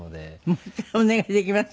もう１回お願いできます？